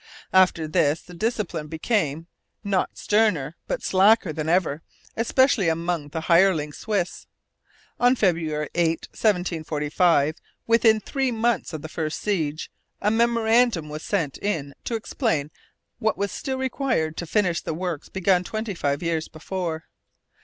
After this the discipline became, not sterner, but slacker than ever, especially among the hireling Swiss. On February 8, 1745, within three months of the first siege, a memorandum was sent in to explain what was still required to finish the works begun twenty five years before.